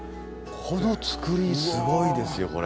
このつくりすごいですよ